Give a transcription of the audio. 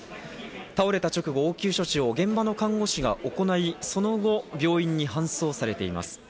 倒れた直後、応急処置を現場の看護師が行い、その後、病院に搬送されています。